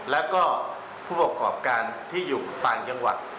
แล้วก็ผู้ประกอบการที่อยู่ต่างจังหวัด